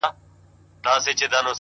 هغه ليوني ټوله زار مات کړی دی،